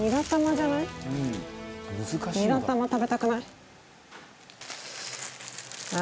ニラ玉食べたくない？